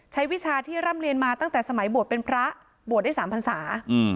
วิชาที่ร่ำเรียนมาตั้งแต่สมัยบวชเป็นพระบวชได้๓พันศา